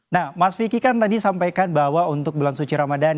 nah mas vicky kan tadi sampaikan bahwa untuk bulan suci ramadan